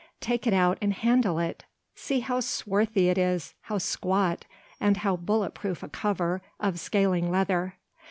Take it out and handle it! See how swarthy it is, how squat, with how bullet proof a cover of scaling leather.